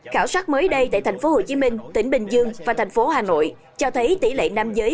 khảo sát mới đây tại tp hcm tỉnh bình dương và tp hanoi cho thấy tỷ lệ nam giới